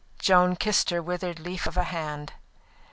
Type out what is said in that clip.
Joan kissed her withered leaf of a hand.